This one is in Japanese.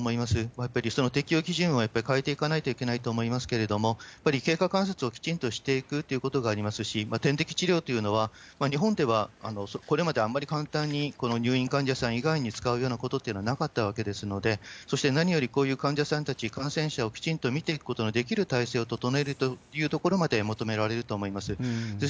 やっぱりその適用基準を変えていかないといけないと思いますけれども、やっぱり経過観察をきちんとしていくっていうことがありますし、点滴治療というのは、日本ではこれまであまり簡単にこの入院患者さん以外に使うようなことっていうのはなかったわけですので、そして何よりこういう患者さんたち、感染者をきちんと診ていくことのできる体制を整えるというところまで求められると思います。